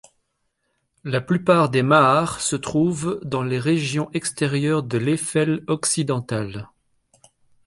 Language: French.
La plupart des maars se trouvent dans les régions extérieures de l'Eifel occidental.